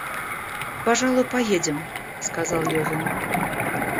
Пожалуй, поедем, — сказал Левин.